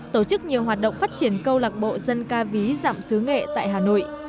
tổ chức nhiều hoạt động phát triển câu lạc bộ dân ca ví dọng sứ nghệ tại hà nội